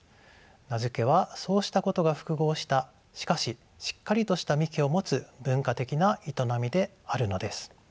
名付けはそうしたことが複合したしかししっかりとした幹を持つ文化的な営みであるのです。